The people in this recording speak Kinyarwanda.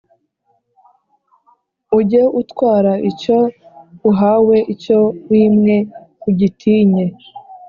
Ujye utwara icyo uhaweIcyo wimwe ugitinye”